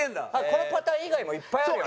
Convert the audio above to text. このパターン以外もいっぱいあるよね。